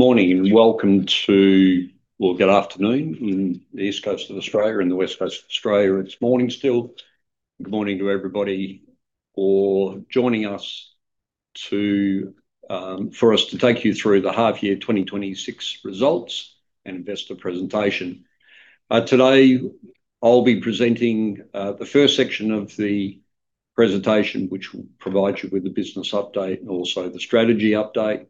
Morning. Well, good afternoon. In the east coast of Australia and the west coast of Australia, it's morning still. Good morning to everybody for joining us to for us to take you through the half year 2026 results and investor presentation. Today, I'll be presenting the first section of the presentation, which will provide you with the business update and also the strategy update.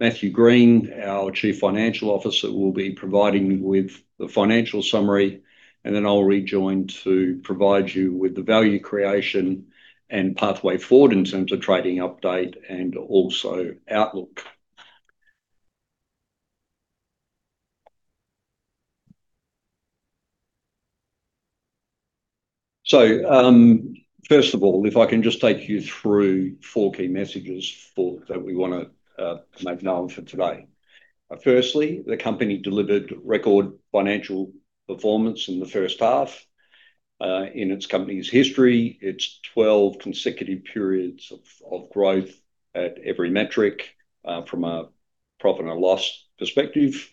Matthew Green, our Chief Financial Officer, will be providing you with the financial summary, and then I'll rejoin to provide you with the value creation and pathway forward in terms of trading update and also outlook. First of all, if I can just take you through 4-K messages for that we wanna make known for today. Firstly, the company delivered record financial performance in the first half in its company's history. It's 12 consecutive periods of growth at every metric from a profit and loss perspective.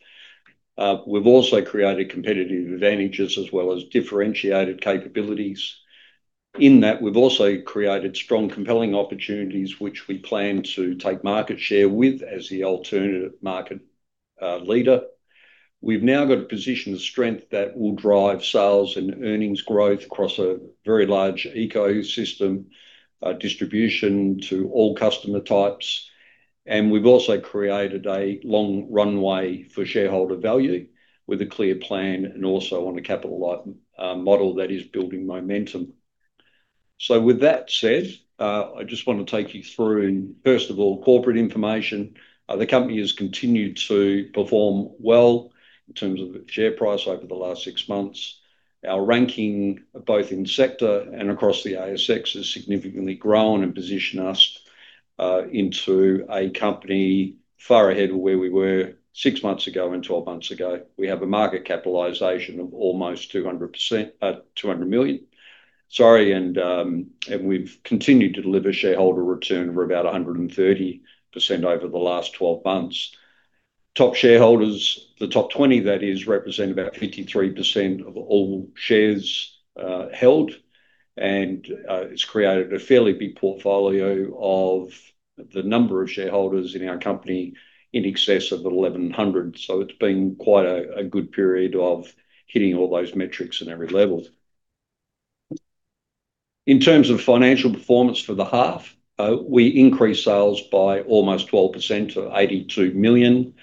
We've also created competitive advantages as well as differentiated capabilities. In that, we've also created strong, compelling opportunities, which we plan to take market share with as the alternative market leader. We've now got a position of strength that will drive sales and earnings growth across a very large ecosystem, distribution to all customer types. We've also created a long runway for shareholder value with a clear plan and also on a capital light model that is building momentum. With that said, I just want to take you through, first of all, corporate information. The company has continued to perform well in terms of its share price over the last 6 months. Our ranking, both in sector and across the ASX, has significantly grown and positioned us into a company far ahead of where we were six months ago and twelve months ago. We have a market capitalization of almost 200%, 200 million, sorry, and we've continued to deliver shareholder return of about 130% over the last twelve months. Top shareholders, the top 20 that is, represent about 53% of all shares held, and it's created a fairly big portfolio of the number of shareholders in our company in excess of 1,100. It's been quite a good period of hitting all those metrics in every level. In terms of financial performance for the half, we increased sales by almost 12% to 82 million.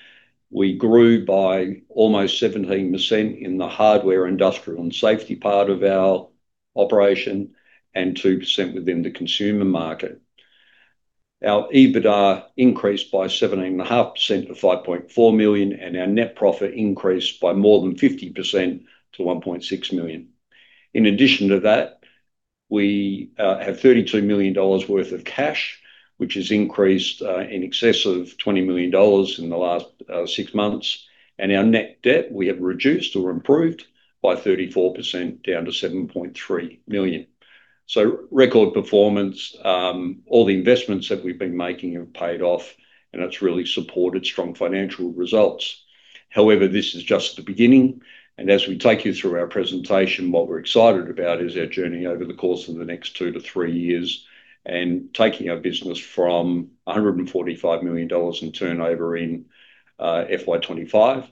We grew by almost 17% in the hardware, industrial, and safety part of our operation and 2% within the consumer market. Our EBITDA increased by 17.5% to 5.4 million, and our net profit increased by more than 50% to 1.6 million. In addition to that, we have 32 million dollars worth of cash, which has increased in excess of 20 million dollars in the last 6 months, and our net debt we have reduced or improved by 34% down to 7.3 million. Record performance, all the investments that we've been making have paid off, and it's really supported strong financial results. This is just the beginning, and as we take you through our presentation, what we're excited about is our journey over the course of the next 2 to 3 years, and taking our business from $145 million in turnover in FY 2025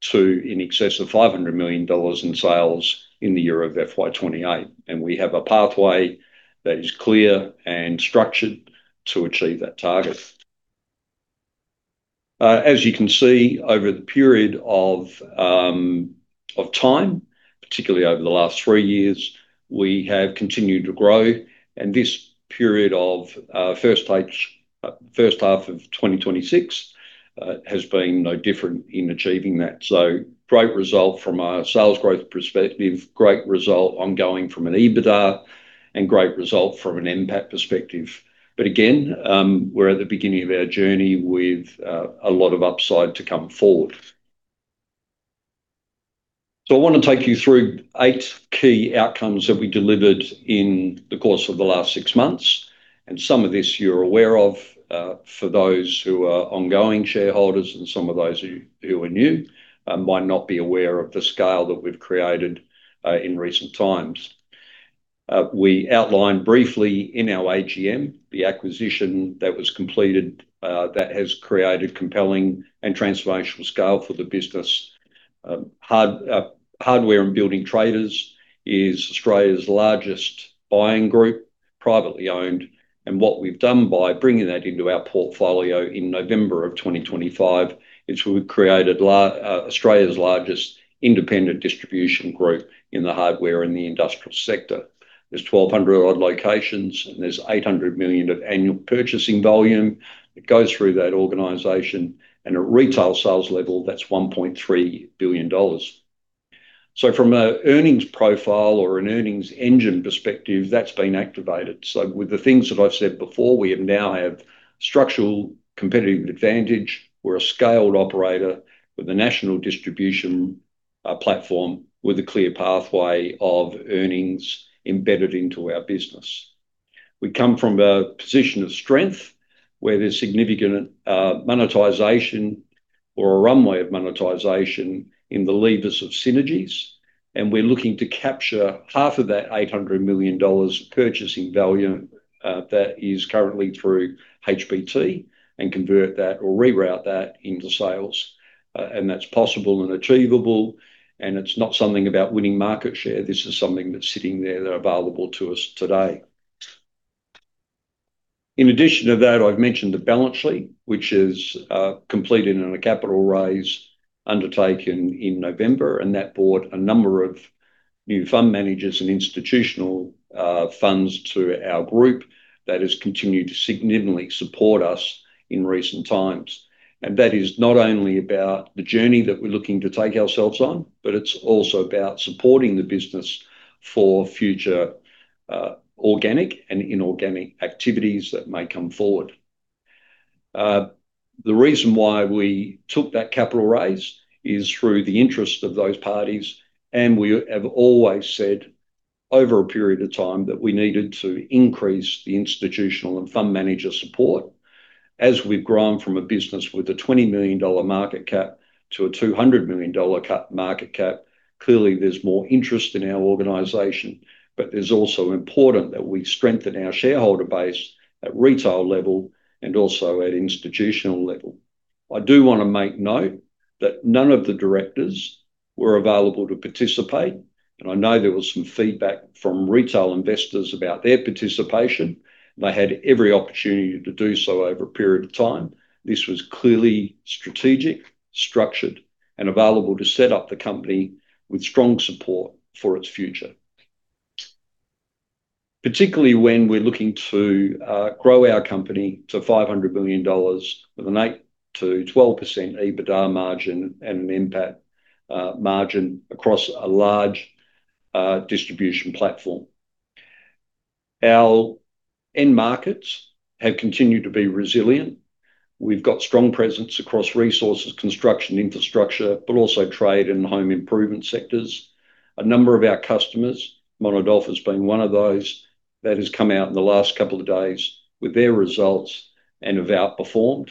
to in excess of $500 million in sales in the year of FY 2028. We have a pathway that is clear and structured to achieve that target. As you can see over the period of time, particularly over the last 3 years, we have continued to grow, and this period of first half of 2026 has been no different in achieving that. Great result from a sales growth perspective, great result ongoing from an EBITDA, and great result from an NPAT perspective. Again, we're at the beginning of our journey with a lot of upside to come forward. I want to take you through eight key outcomes that we delivered in the course of the last six months, and some of this you're aware of for those who are ongoing shareholders, and some of those who are new, might not be aware of the scale that we've created in recent times. We outlined briefly in our AGM, the acquisition that was completed that has created compelling and transformational scale for the business. Hardware & Building Traders is Australia's largest buying group, privately owned, and what we've done by bringing that into our portfolio in November of 2025, is we've created Australia's largest independent distribution group in the hardware and the industrial sector. There's 1,200 odd locations. There's 800 million of annual purchasing volume that goes through that organization. At retail sales level, that's 1.3 billion dollars. From an earnings profile or an earnings engine perspective, that's been activated. With the things that I've said before, we now have structural competitive advantage. We're a scaled operator with a national distribution platform with a clear pathway of earnings embedded into our business. We come from a position of strength, where there's significant monetization or a runway of monetization in the levers of synergies. We're looking to capture half of that 800 million dollars purchasing value that is currently through HBT and convert that or reroute that into sales. That's possible and achievable, it's not something about winning market share. This is something that's sitting there, that are available to us today. In addition to that, I've mentioned the balance sheet, which is completed in a capital raise undertaken in November, and that brought a number of new fund managers and institutional funds to our group. That has continued to significantly support us in recent times. That is not only about the journey that we're looking to take ourselves on, but it's also about supporting the business for future organic and inorganic activities that may come forward. The reason why we took that capital raise is through the interest of those parties, and we have always said, over a period of time, that we needed to increase the institutional and fund manager support. As we've grown from a business with an 20 million dollar market cap to an 200 million dollar cap, market cap, clearly there's more interest in our organization. It's also important that we strengthen our shareholder base at retail level and also at institutional level. I do want to make note that none of the directors were available to participate, and I know there was some feedback from retail investors about their participation. They had every opportunity to do so over a period of time. This was clearly strategic, structured, and available to set up the company with strong support for its future. Particularly when we're looking to grow our company to 500 million dollars, with an 8%-12% EBITDA margin and an NPAT margin across a large distribution platform. Our end markets have continued to be resilient. We've got strong presence across resources, construction, infrastructure, but also trade and home improvement sectors. A number of our customers, Monadelphous being one of those, that has come out in the last couple of days with their results and have outperformed.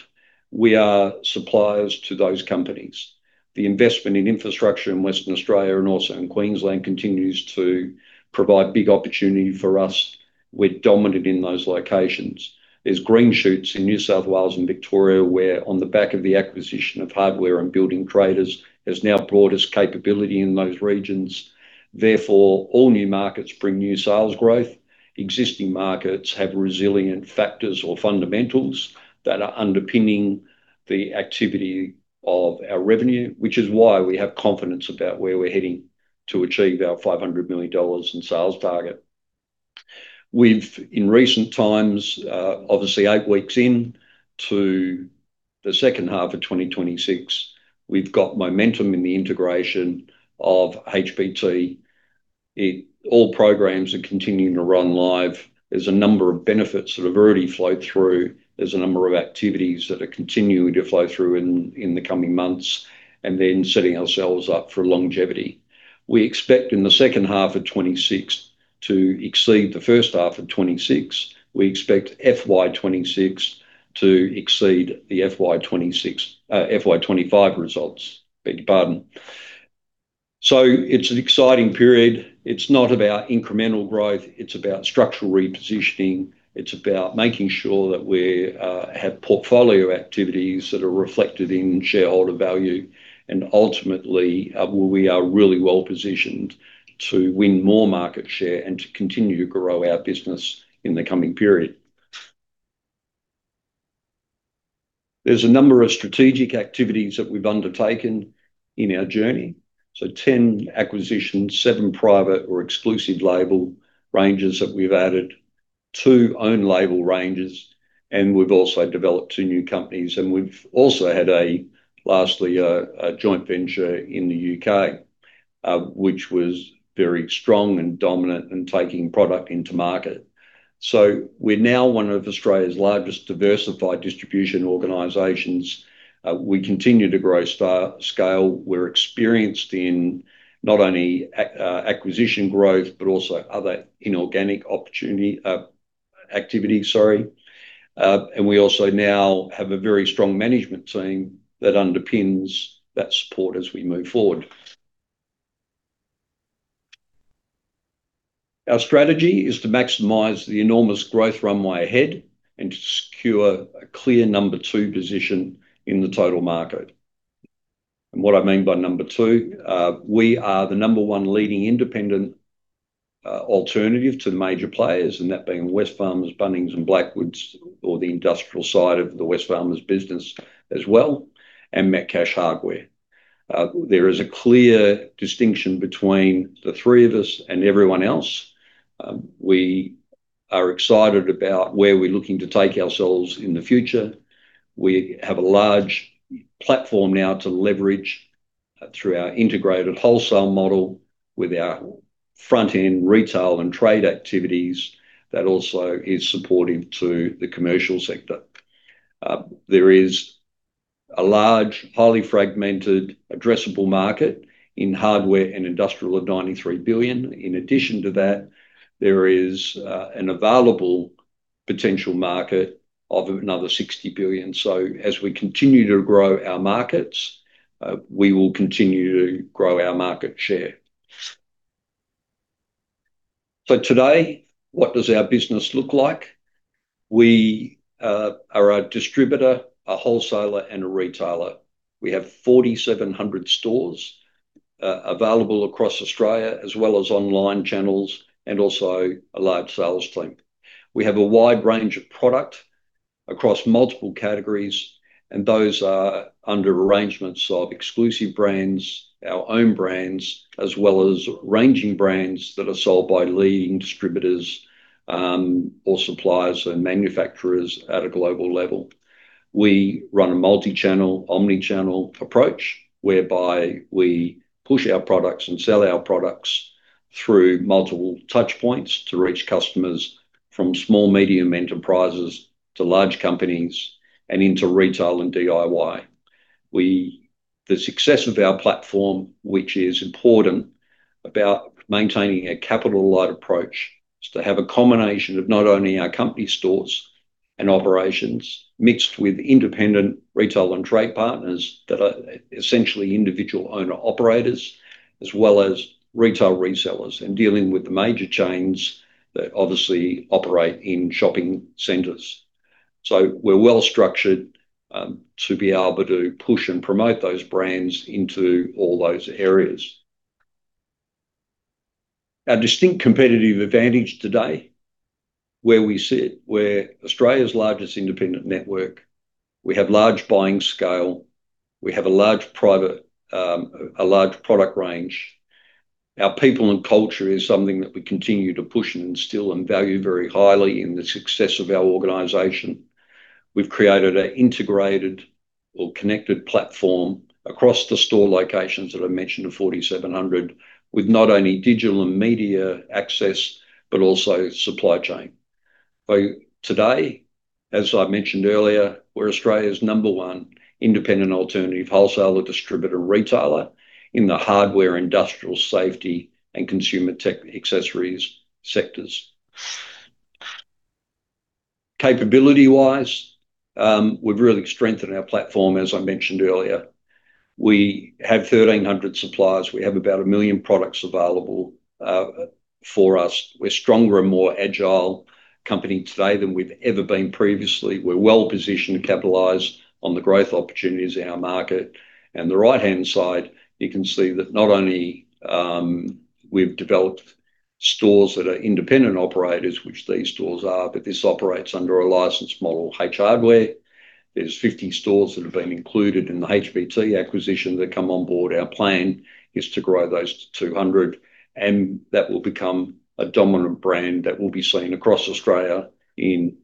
We are suppliers to those companies. The investment in infrastructure in Western Australia and also in Queensland continues to provide big opportunity for us. We're dominant in those locations. There's green shoots in New South Wales and Victoria, where on the back of the acquisition of Hardware & Building Traders, has now brought us capability in those regions. All new markets bring new sales growth. Existing markets have resilient factors or fundamentals that are underpinning the activity of our revenue, which is why we have confidence about where we're heading to achieve our 500 million dollars in sales target. We've, in recent times, obviously 8 weeks in to the H2 2026, we've got momentum in the integration of HBT. All programs are continuing to run live. There's a number of benefits that have already flowed through. There's a number of activities that are continuing to flow through in the coming months, and then setting ourselves up for longevity. We expect in the H2 2026 to exceed the H1 2026. We expect FY 2026 to exceed the FY 2025 results. Beg your pardon. It's an exciting period. It's not about incremental growth, it's about structural repositioning. It's about making sure that we're, have portfolio activities that are reflected in shareholder value, and ultimately, we are really well positioned to win more market share and to continue to grow our business in the coming period. There's a number of strategic activities that we've undertaken in our journey. 10 acquisitions, 7 private or exclusive label ranges that we've added, 2 own label ranges, and we've also developed 2 new companies. We've also had a, lastly, a joint venture in the UK, which was very strong and dominant in taking product into market. We're now one of Australia's largest diversified distribution organizations. We continue to grow scale. We're experienced in not only acquisition growth, but also other inorganic opportunity activity, sorry. We also now have a very strong management team that underpins that support as we move forward. Our strategy is to maximize the enormous growth runway ahead and to secure a clear number two position in the total market. What I mean by 2, we are the 1 leading independent alternative to the major players, and that being Wesfarmers, Bunnings, and Blackwoods, or the industrial side of the Wesfarmers business as well, and Metcash Hardware. There is a clear distinction between the 3 of us and everyone else. We are excited about where we're looking to take ourselves in the future. We have a large platform now to leverage through our integrated wholesale model with our front-end retail and trade activities that also is supportive to the commercial sector. There is a large, highly fragmented, addressable market in hardware and industrial of 93 billion. In addition to that, there is an available potential market of another 60 billion. As we continue to grow our markets, we will continue to grow our market share. Today, what does our business look like? We are a distributor, a wholesaler, and a retailer. We have 4,700 stores available across Australia, as well as online channels and also a large sales team. We have a wide range of product across multiple categories, and those are under arrangements of exclusive brands, our own brands, as well as ranging brands that are sold by leading distributors, or suppliers and manufacturers at a global level. We run a multi-channel, omni-channel approach, whereby we push our products and sell our products through multiple touch points to reach customers, from small, medium enterprises to large companies, and into retail and DIY. The success of our platform, which is important about maintaining a capital-light approach, is to have a combination of not only our company stores and operations mixed with independent retail and trade partners that are essentially individual owner-operators, as well as retail resellers. Dealing with the major chains that obviously operate in shopping centers. We're well-structured to be able to push and promote those brands into all those areas. Our distinct competitive advantage today, where we sit, we're Australia's largest independent network. We have large buying scale, we have a large private, a large product range. Our people and culture is something that we continue to push, and instill, and value very highly in the success of our organization. We've created an integrated or connected platform across the store locations that I mentioned of 4,700, with not only digital and media access, but also supply chain. Today, as I mentioned earlier, we're Australia's number one independent alternative wholesaler, distributor, retailer in the hardware, industrial, safety, and consumer tech accessories sectors. Capability-wise, we've really strengthened our platform, as I mentioned earlier. We have 1,300 suppliers. We have about 1 million products available for us. We're stronger and more agile company today than we've ever been previously. We're well positioned to capitalize on the growth opportunities in our market. The right-hand side, you can see that not only we've developed stores that are independent operators, which these stores are, but this operates under a licensed model, H Hardware. There's 50 stores that have been included in the HBT acquisition that come on board. Our plan is to grow those to 200, and that will become a dominant brand that will be seen across Australia in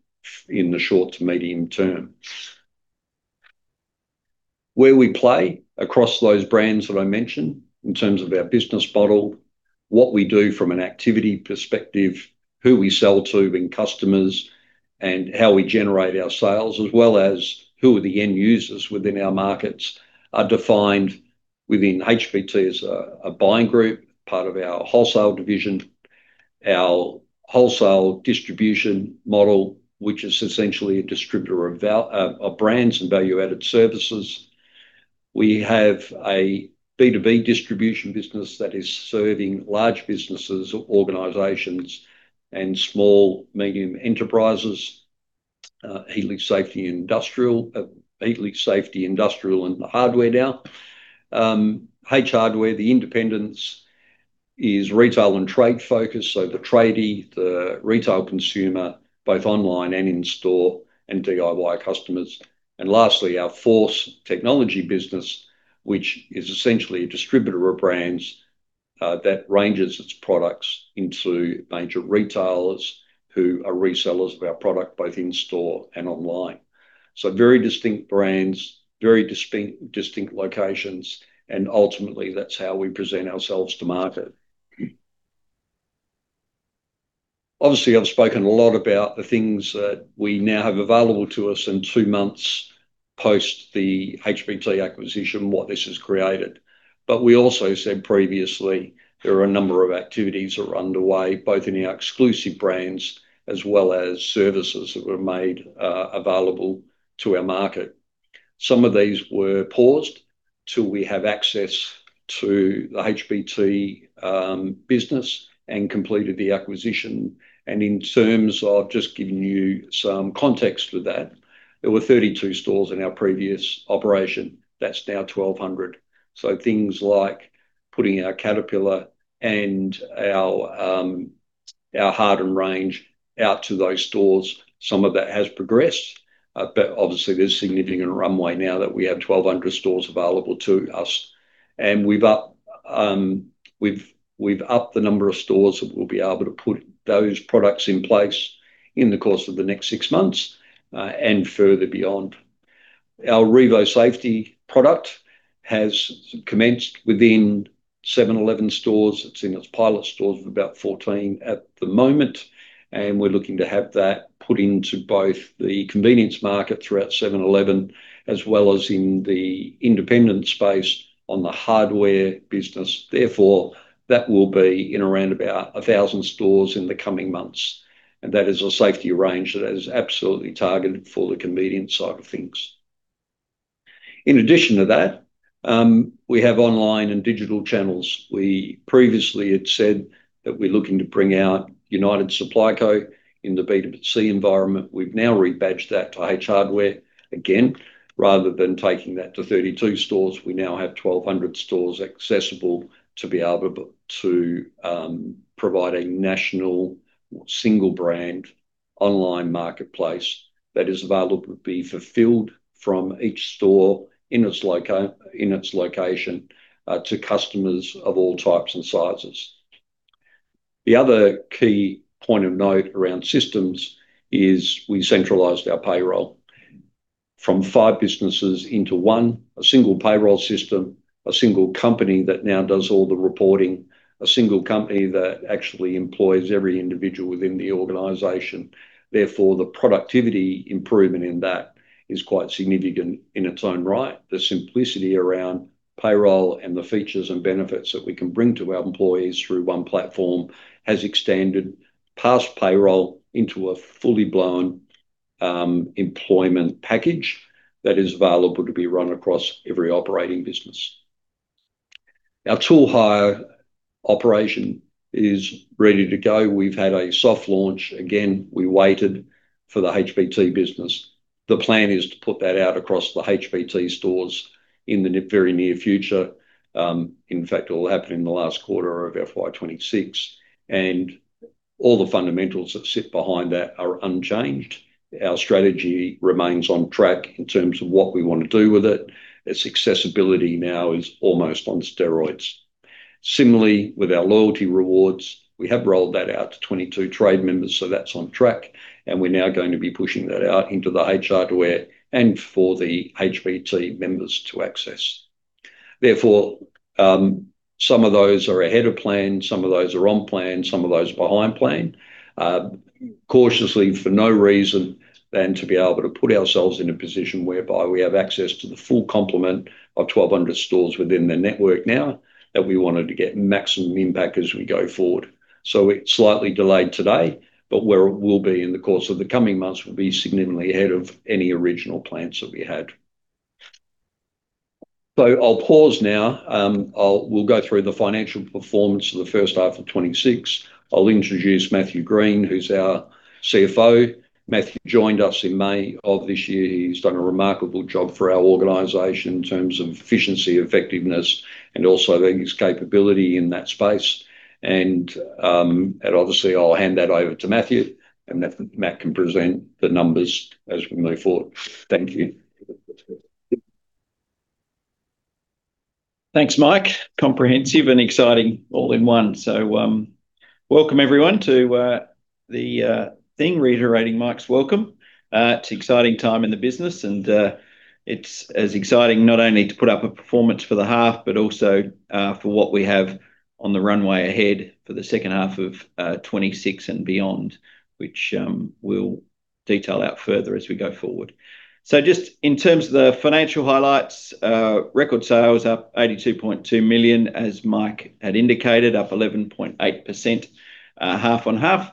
the short to medium term. Where we play across those brands that I mentioned, in terms of our business model, what we do from an activity perspective, who we sell to and customers, and how we generate our sales, as well as who are the end users within our markets, are defined within HBT as a buying group, part of our wholesale division. Our wholesale distribution model, which is essentially a distributor of brands and value-added services. We have a B2B distribution business that is serving large businesses, organizations, and small medium enterprises, Heatleys Safety and Industrial, Heatleys Safety and Industrial and Hardware now. H Hardware, the independence is retail and trade-focused, so the tradie, the retail consumer, both online and in-store, and DIY customers. Lastly, our Force Technology business, which is essentially a distributor of brands, that ranges its products into major retailers who are resellers of our product, both in-store and online. Very distinct brands, very distinct locations, and ultimately, that's how we present ourselves to market. Obviously, I've spoken a lot about the things that we now have available to us in 2 months post the HBT acquisition, what this has created. We also said previously, there are a number of activities that are underway, both in our exclusive brands as well as services that were made available to our market. Some of these were paused till we have access to the HBT business, and completed the acquisition. In terms of just giving you some context for that, there were 32 stores in our previous operation. That's now 1,200. Things like putting our Caterpillar and our Harden range out to those stores, some of that has progressed. Obviously, there's significant runway now that we have 1,200 stores available to us. We've upped the number of stores that we'll be able to put those products in place in the course of the next six months and further beyond. Our RIVO SAFETY product has commenced within 7-Eleven stores. It's in its pilot stores of about 14 at the moment, and we're looking to have that put into both the convenience market throughout 7-Eleven, as well as in the independent space on the hardware business. That will be in around about 1,000 stores in the coming months, and that is a safety range that is absolutely targeted for the convenience side of things. In addition to that, we have online and digital channels. We previously had said that we're looking to bring out United Supply Co. in the B2C environment. We've now rebadged that to H Hardware. Again, rather than taking that to 32 stores, we now have 1,200 stores accessible to be able to provide a national single brand online marketplace that is available to be fulfilled from each store in its location to customers of all types and sizes. The other key point of note around systems is we centralized our payroll from 5 businesses into 1. A single payroll system, a single company that now does all the reporting, a single company that actually employs every individual within the organization. The productivity improvement in that is quite significant in its own right. The simplicity around payroll and the features and benefits that we can bring to our employees through one platform has extended past payroll into a fully blown employment package that is available to be run across every operating business. Our tool hire operation is ready to go. We've had a soft launch. We waited for the HBT business. The plan is to put that out across the HBT stores in the very near future. In fact, it'll happen in the last quarter of FY 2026. All the fundamentals that sit behind that are unchanged. Our strategy remains on track in terms of what we want to do with it. Its accessibility now is almost on steroids. Similarly, with our loyalty rewards, we have rolled that out to 22 trade members, so that's on track, and we're now going to be pushing that out into the H Hardware and for the HBT members to access. Some of those are ahead of plan, some of those are on plan, some of those are behind plan. Cautiously for no reason than to be able to put ourselves in a position whereby we have access to the full complement of 1,200 stores within the network now, that we wanted to get maximum impact as we go forward. It's slightly delayed today, but where it will be in the course of the coming months will be significantly ahead of any original plans that we had. I'll pause now. We'll go through the financial performance for the first half of 2026. I'll introduce Matthew Green, who's our CFO. Matthew joined us in May of this year. He's done a remarkable job for our organization in terms of efficiency, effectiveness, and also his capability in that space. Obviously, I'll hand that over to Matthew, and Matt can present the numbers as we move forward. Thank you. Thanks, Mike. Comprehensive and exciting all in one. Welcome everyone to the thing. Reiterating Mike's welcome. It's an exciting time in the business and it's as exciting not only to put up a performance for the half, but also for what we have on the runway ahead for the second half of 2026 and beyond, which we'll detail out further as we go forward. Just in terms of the financial highlights, record sales up 82.2 million, as Mike had indicated, up 11.8%, half on half.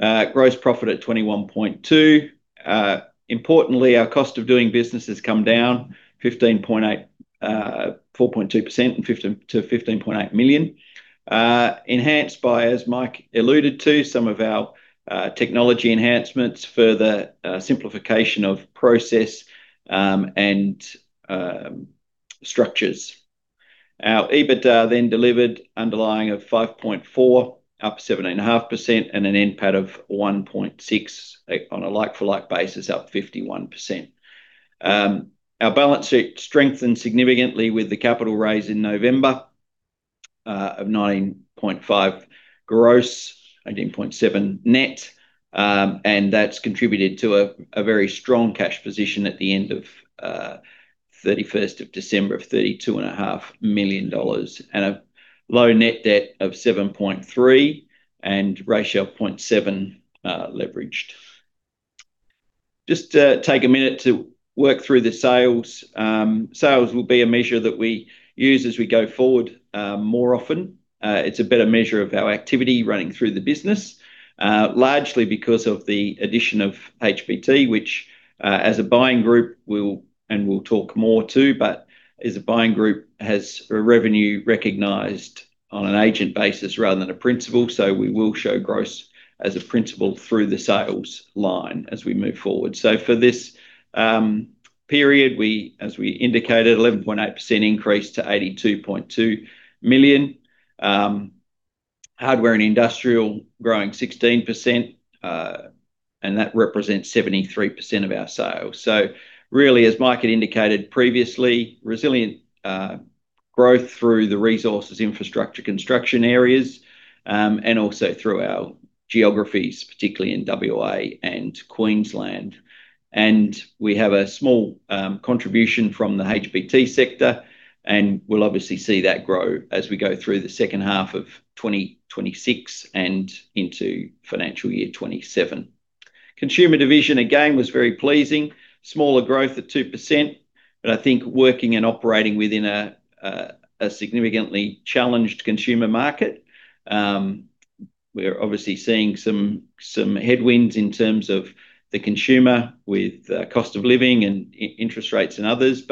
Gross profit at 21.2 million. Importantly, our cost of doing business has come down 4.2% to 15.8 million. enhanced by, as Mike alluded to, some of our technology enhancements, further simplification of process, and structures. Our EBITDA delivered underlying of 5.4, up 17.5%, and an NPAT of 1.6, on a like-for-like basis, up 51%. Our balance sheet strengthened significantly with the capital raise in November, of 19.5 gross, 18.7 net, and that's contributed to a very strong cash position at the end of 31st of December of thirty-two and a half million dollars, and a low net debt of 7.3 million and ratio of 0.7 leveraged. Just take a minute to work through the sales. Sales will be a measure that we use as we go forward, more often. It's a better measure of our activity running through the business, largely because of the addition of HBT, which, as a buying group, we'll talk more to, but as a buying group, has a revenue recognized on an agent basis rather than a principal, so we will show gross as a principal through the sales line as we move forward. For this period, we, as we indicated, 11.8% increase to 82.2 million. Hardware and industrial growing 16%, and that represents 73% of our sales. Really, as Mike had indicated previously, resilient growth through the resources, infrastructure, construction areas, and also through our geographies, particularly in WA and Queensland. We have a small contribution from the HBT sector, and we'll obviously see that grow as we go through the second half of 2026 and into FY 2027. Consumer division, again, was very pleasing. Smaller growth at 2%. I think working and operating within a significantly challenged consumer market, we're obviously seeing some headwinds in terms of the consumer with, cost of living and interest rates and others.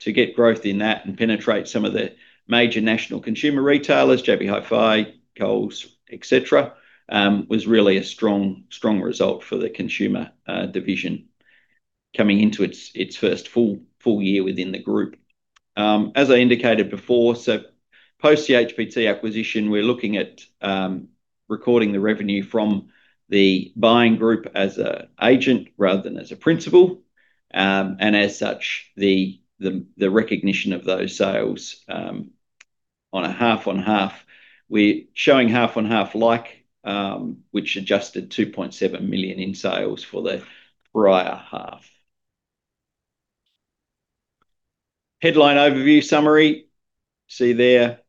To get growth in that and penetrate some of the major national consumer retailers, JB Hi-Fi, Coles, et cetera, was really a strong result for the consumer division coming into its first full year within the group. As I indicated before, post the HBT acquisition, we're looking at recording the revenue from the buying group as a agent rather than as a principal. The recognition of those sales on a half-on-half, we're showing half-on-half like, which adjusted 2.7 million in sales for the prior half. Headline overview summary, see there,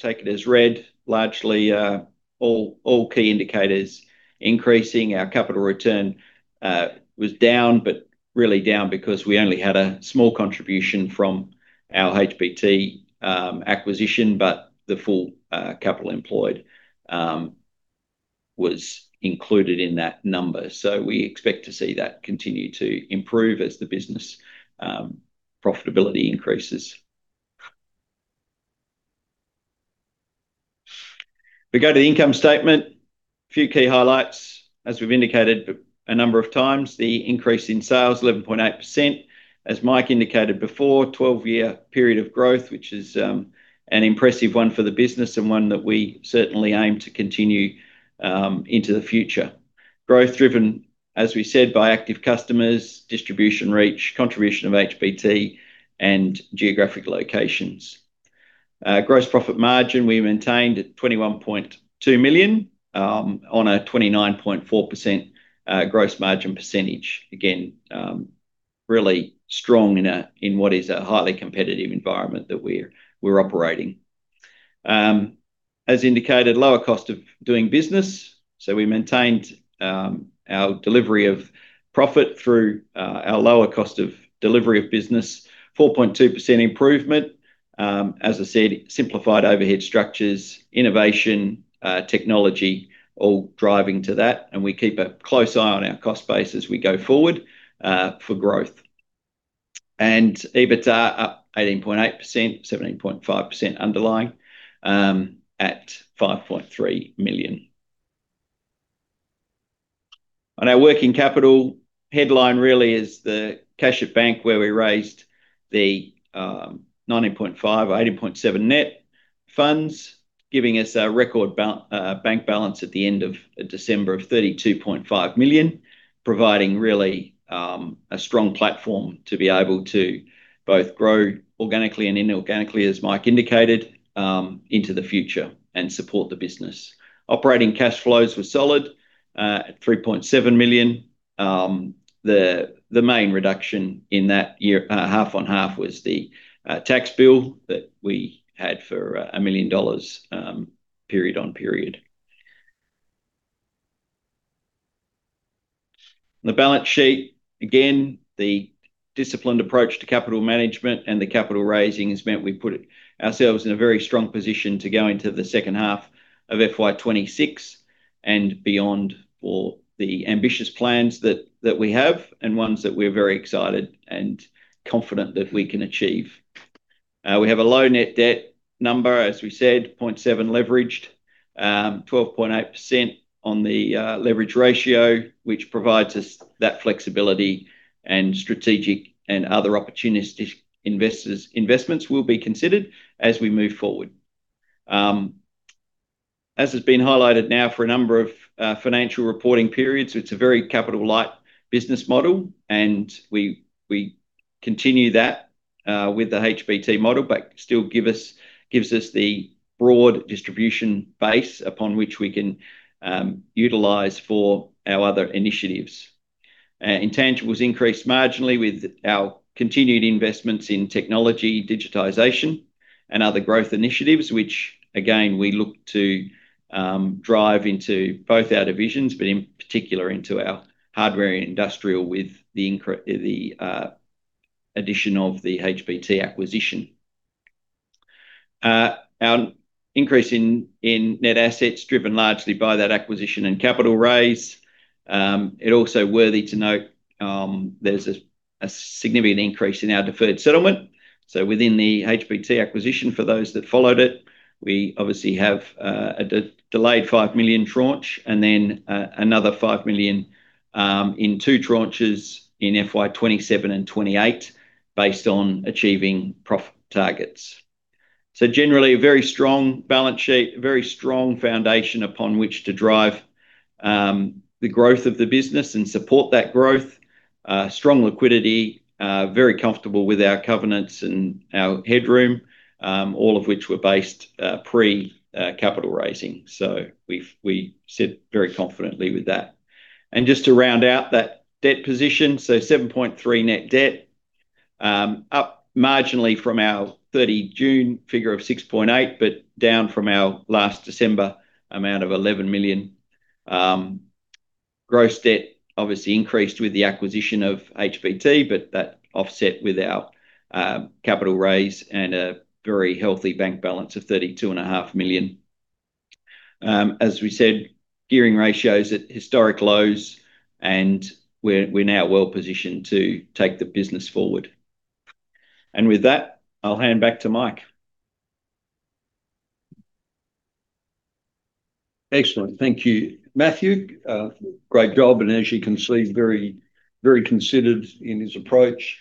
take it as read. Largely, all key indicators increasing. Our capital return was down, but really down because we only had a small contribution from our HBT acquisition, but the full capital employed was included in that number. We expect to see that continue to improve as the business profitability increases. If we go to the income statement, a few key highlights. As we've indicated a number of times, the increase in sales, 11.8%. As Mike indicated before, 12-year period of growth, which is an impressive one for the business and one that we certainly aim to continue into the future. Growth driven, as we said, by active customers, distribution reach, contribution of HBT, and geographic locations. Gross profit margin, we maintained at 21.2 million on a 29.4% gross margin percentage. Again, really strong in what is a highly competitive environment that we're operating. As indicated, lower cost of doing business, we maintained our delivery of profit through our lower cost of delivery of business, 4.2% improvement. As I said, simplified overhead structures, innovation, technology, all driving to that, and we keep a close eye on our cost base as we go forward for growth. EBITDA up 18.8%, 17.5% underlying, at AUD 5.3 million. On our working capital headline, really is the cash at bank, where we raised the 19.5 or 18.7 net funds, giving us a record bank balance at the end of December of 32.5 million, providing really a strong platform to be able to both grow organically and inorganically, as Mike indicated, into the future and support the business. Operating cash flows were solid at 3.7 million. The main reduction in that year, half-on-half, was the tax bill that we had for 1 million dollars, period on period. The balance sheet, again, the disciplined approach to capital management and the capital raising has meant we've put it ourselves in a very strong position to go into the second half of FY 2026 and beyond, for the ambitious plans that we have and ones that we're very excited and confident that we can achieve. We have a low net debt number, as we said, 0.7 leveraged, 12.8% on the leverage ratio, which provides us that flexibility and strategic and other opportunistic investments will be considered as we move forward. As has been highlighted now for a number of financial reporting periods, it's a very capital-light business model, and we continue that with the HBT model, but still gives us the broad distribution base upon which we can utilize for our other initiatives. Intangibles increased marginally with our continued investments in technology, digitization, and other growth initiatives, which, again, we look to drive into both our divisions, but in particular into our hardware and industrial, with the addition of the HBT acquisition. Our increase in net assets, driven largely by that acquisition and capital raise. It also worthy to note, there's a significant increase in our deferred settlement. Within the HBT acquisition, for those that followed it, we obviously have a de-delayed 5 million tranche and then another 5 million in two tranches in FY 2027 and FY 2028, based on achieving profit targets. Generally, a very strong balance sheet, a very strong foundation upon which to drive the growth of the business and support that growth. Strong liquidity, very comfortable with our covenants and our headroom, all of which were based pre capital raising. We sit very confidently with that. Just to round out that debt position, 7.3 million net debt, up marginally from our 30 June figure of 6.8 million, but down from our last December amount of 11 million. Gross debt obviously increased with the acquisition of HBT. That offset with our capital raise and a very healthy bank balance of 32 and a half million. As we said, gearing ratios at historic lows, and we're now well positioned to take the business forward. With that, I'll hand back to Mike. Excellent. Thank you, Matthew. Great job, as you can see, very, very considered in his approach.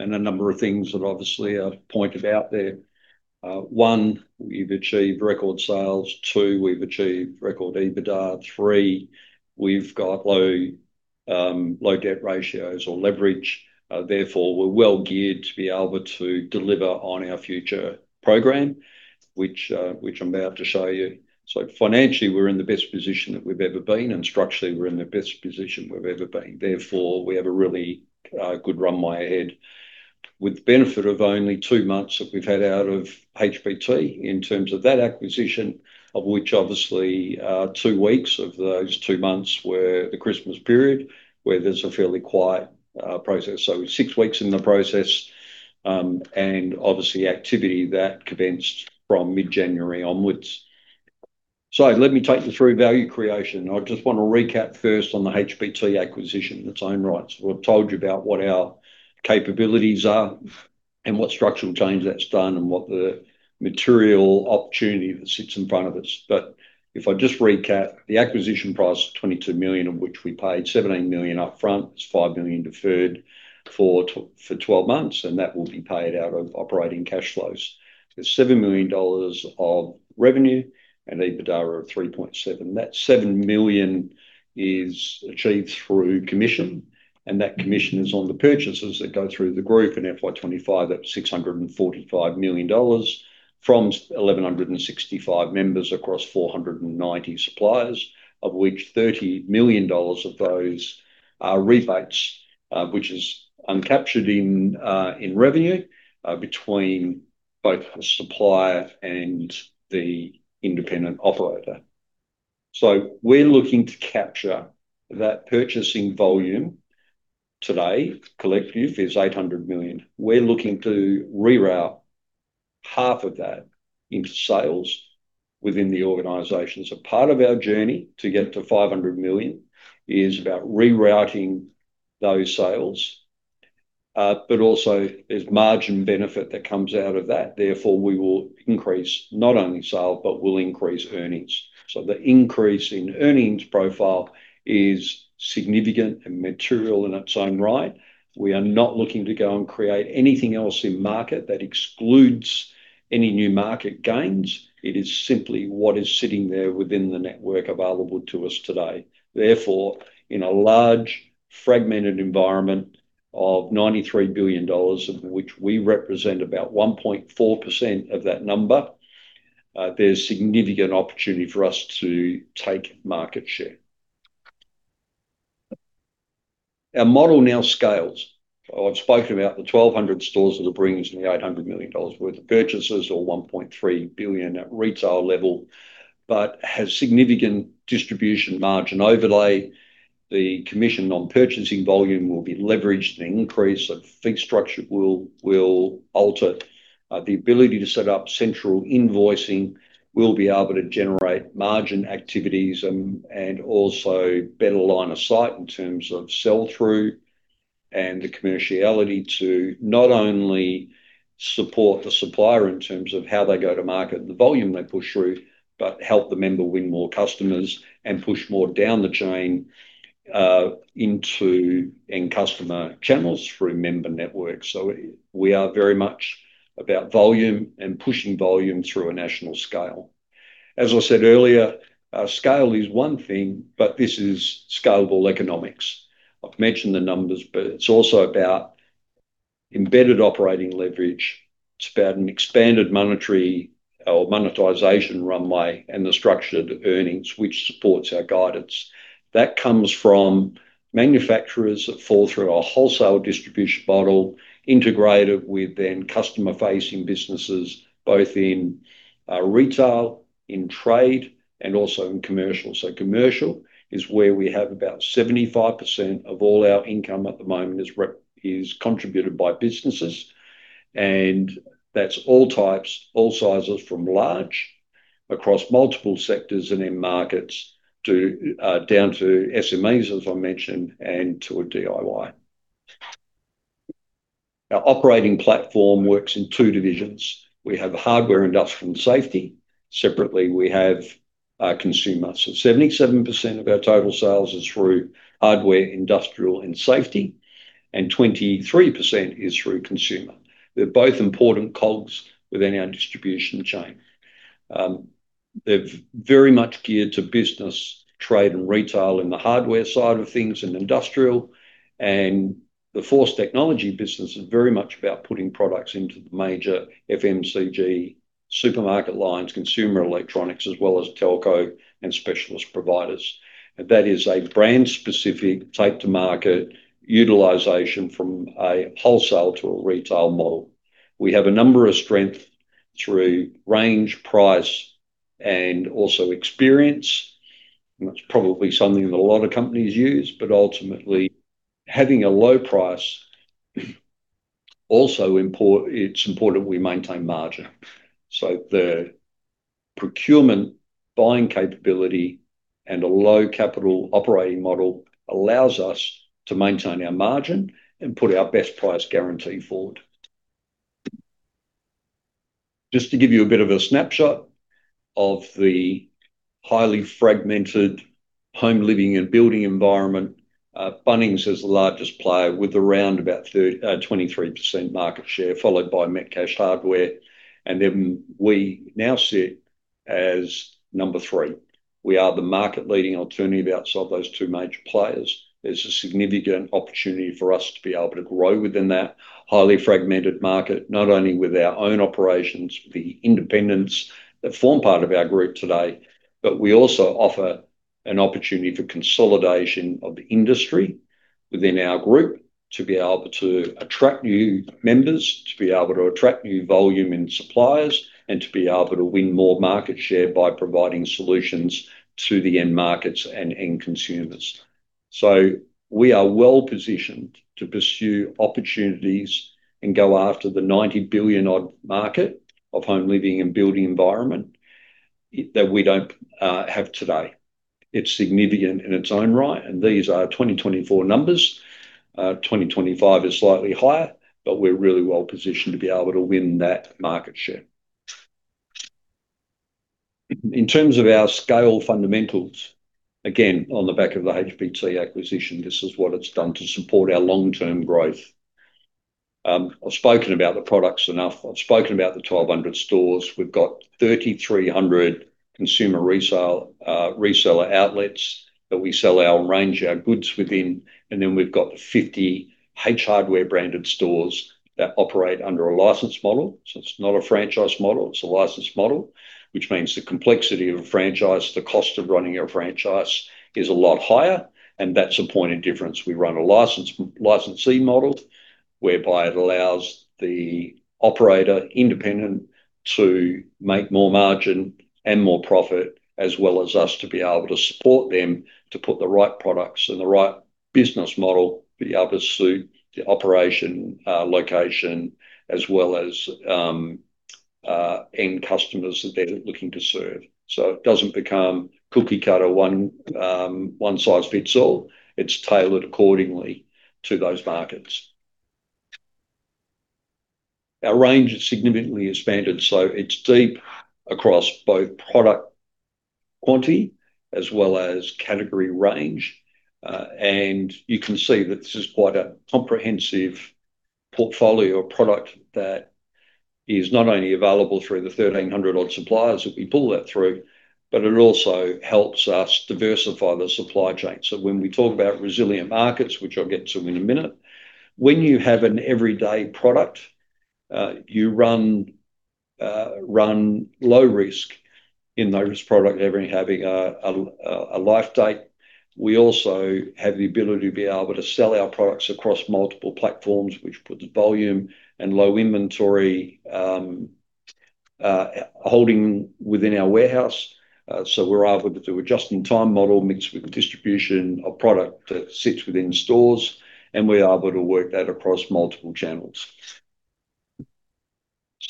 A number of things that obviously are pointed out there. One, we've achieved record sales. Two, we've achieved record EBITDA. Three, we've got low, low debt ratios or leverage, therefore, we're well geared to be able to deliver on our future program, which I'm about to show you. Financially, we're in the best position that we've ever been, and structurally, we're in the best position we've ever been. We have a really good runway ahead. With the benefit of only two months that we've had out of HBT in terms of that acquisition, of which obviously, two weeks of those two months were the Christmas period, where there's a fairly quiet process. Six weeks in the process, and obviously activity that commenced from mid-January onwards. Let me take you through value creation. I just want to recap first on the HBT acquisition in its own rights. We've told you about what our capabilities are and what structural change that's done, and what the material opportunity that sits in front of us. If I just recap, the acquisition price, 22 million, of which we paid 17 million up front, is 5 million deferred for 12 months, and that will be paid out of operating cash flows. There's 7 million dollars of revenue and EBITDA of 3.7 million. That 7 million is achieved through commission. That commission is on the purchases that go through the group in FY 2025 at 645 million dollars, from 1,165 members across 490 suppliers, of which 30 million dollars of those are rebates. Which is uncaptured in revenue between both the supplier and the independent operator. We're looking to capture that purchasing volume. Today, collective is 800 million. We're looking to reroute half of that into sales within the organization. Part of our journey to get to 500 million is about rerouting those sales, but also there's margin benefit that comes out of that. We will increase not only sale, but we'll increase earnings. The increase in earnings profile is significant and material in its own right. We are not looking to go and create anything else in market that excludes any new market gains. It is simply what is sitting there within the network available to us today. Therefore, in a large, fragmented environment of 93 billion dollars, of which we represent about 1.4% of that number, there's significant opportunity for us to take market share. Our model now scales. I've spoken about the 1,200 stores that it brings and the 800 million dollars worth of purchases, or 1.3 billion at retail level, but has significant distribution margin overlay. The commission on purchasing volume will be leveraged. The increase of fee structure will alter. The ability to set up central invoicing will be able to generate margin activities, and also better line of sight in terms of sell-through and the commerciality to not only support the supplier in terms of how they go to market and the volume they push through, but help the member win more customers and push more down the chain, into end customer channels through member networks. We are very much about volume and pushing volume through a national scale. As I said earlier, scale is one thing, but this is scalable economics. I've mentioned the numbers, but it's also about embedded operating leverage. It's about an expanded monetary or monetization runway and the structured earnings, which supports our guidance. That comes from manufacturers that fall through our wholesale distribution model, integrated with then customer-facing businesses, both in retail, in trade, and also in commercial. Commercial is where we have about 75% of all our income at the moment is contributed by businesses, and that's all types, all sizes, from large across multiple sectors and in markets to down to SMEs, as I mentioned, and to a DIY. Our operating platform works in two divisions. We have hardware, industrial, and safety. Separately, our consumer. 77% of our total sales is through hardware, industrial, and safety, and 23% is through consumer. They're both important cogs within our distribution chain. They've very much geared to business, trade, and retail in the hardware side of things and industrial. The Force Technology business is very much about putting products into the major FMCG supermarket lines, consumer electronics, as well as telco and specialist providers. That is a brand-specific take-to-market utilization from a wholesale to a retail model. We have a number of strength through range, price, and also experience, and that's probably something that a lot of companies use, but ultimately, having a low price, it's important we maintain margin. The procurement buying capability and a low capital operating model allows us to maintain our margin and put our best price guarantee forward. Just to give you a bit of a snapshot of the highly fragmented home living and building environment, Bunnings is the largest player with around about 23% market share, followed by Metcash Hardware, and then we now sit as number three. We are the market leading alternative outside those two major players. There's a significant opportunity for us to be able to grow within that highly fragmented market, not only with our own operations, the independents that form part of our group today, but we also offer an opportunity for consolidation of the industry within our group to be able to attract new members, to be able to attract new volume in suppliers, and to be able to win more market share by providing solutions to the end markets and end consumers. We are well positioned to pursue opportunities and go after the 90 billion odd market of home living and building environment that we don't have today. It's significant in its own right, and these are our 2024 numbers. 2025 is slightly higher, but we're really well positioned to be able to win that market share. In terms of our scale fundamentals, again, on the back of the HBT acquisition, this is what it's done to support our long-term growth. I've spoken about the products enough. I've spoken about the 1,200 stores. We've got 3,300 consumer resale reseller outlets that we sell our range, our goods within, and then we've got the 50 H Hardware branded stores that operate under a license model. It's not a franchise model, it's a license model, which means the complexity of a franchise, the cost of running a franchise is a lot higher, and that's a point of difference. We run a license, licensee model, whereby it allows the operator independent to make more margin and more profit, as well as us to be able to support them, to put the right products and the right business model, be able to suit the operation, location, as well as, end customers that they're looking to serve. It doesn't become cookie cutter, one size fits all. It's tailored accordingly to those markets. Our range has significantly expanded, so it's deep across both product quantity as well as category range. You can see that this is quite a comprehensive portfolio or product that is not only available through the 1,300 odd suppliers that we pull that through, but it also helps us diversify the supply chain. When we talk about resilient markets, which I'll get to in a minute, when you have an everyday product, you run low risk in those product having a life date. We also have the ability to be able to sell our products across multiple platforms, which puts volume and low inventory holding within our warehouse. We're able to do a just-in-time model mixed with distribution of product that sits within stores, and we're able to work that across multiple channels.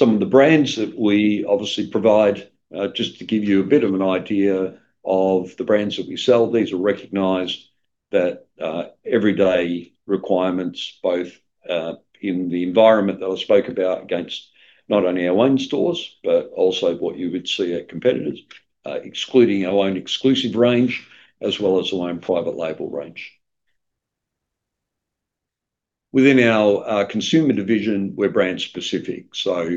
Some of the brands that we obviously provide, just to give you a bit of an idea of the brands that we sell, these are recognized that, everyday requirements, both, in the environment that I spoke about, against not only our own stores, but also what you would see at competitors, excluding our own exclusive range, as well as our own private label range. Within our consumer division, we're brand specific.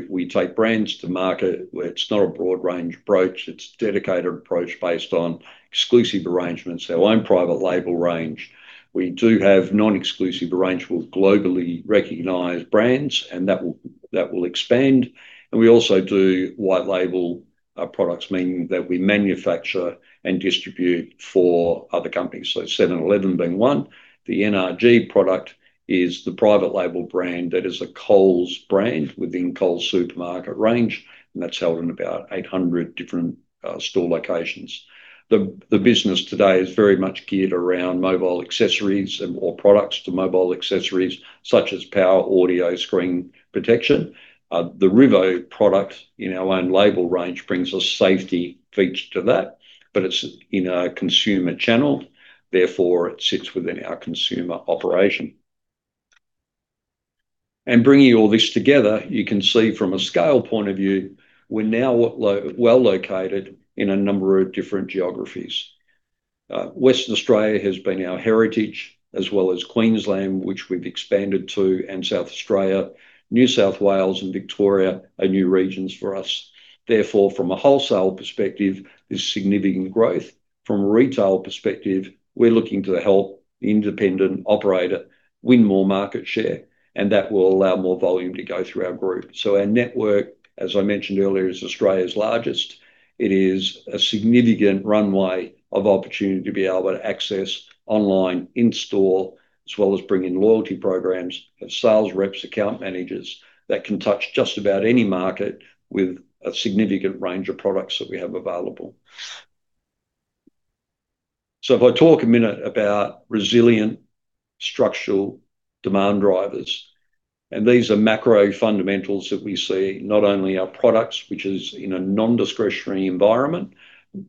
We take brands to market where it's not a broad range approach, it's a dedicated approach based on exclusive arrangements, our own private label range. We do have non-exclusive arrangements with globally recognized brands, and that will expand. We also do white label products, meaning that we manufacture and distribute for other companies. 7-Eleven being one, the NRG product is the private label brand that is a Coles brand within Coles supermarket range, and that's held in about 800 different store locations. The business today is very much geared around mobile accessories and or products to mobile accessories such as power, audio, screen protection. The RIVO product in our own label range brings a safety feature to that, but it's in our consumer channel, therefore, it sits within our consumer operation. Bringing all this together, you can see from a scale point of view, we're now well located in a number of different geographies. Western Australia has been our heritage, as well as Queensland, which we've expanded to, and South Australia. New South Wales and Victoria are new regions for us. Therefore, from a wholesale perspective, there's significant growth. From a retail perspective, we're looking to help independent operator win more market share. That will allow more volume to go through our group. Our network, as I mentioned earlier, is Australia's largest. It is a significant runway of opportunity to be able to access online, in-store, as well as bring in loyalty programs, have sales reps, account managers, that can touch just about any market with a significant range of products that we have available. If I talk a minute about resilient structural demand drivers. These are macro fundamentals that we see, not only our products, which is in a non-discretionary environment.